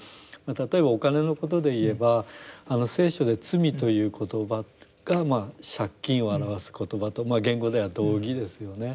例えばお金のことで言えば聖書で罪という言葉が借金を表す言葉と原語では同義ですよね。